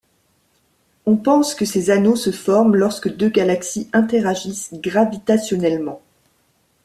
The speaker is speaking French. On pense que ces anneaux se forment lorsque deux galaxies interagissent gravitationnellement.